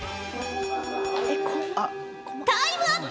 タイムアップ